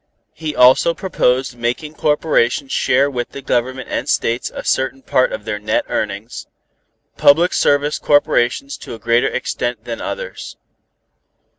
He also proposed making corporations share with the Government and States a certain part of their net earnings, public service corporations to a greater extent than others.